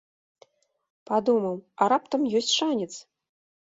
Падумаў, а раптам ёсць шанец.